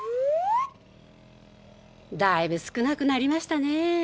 だいぶ少なくなりましたね。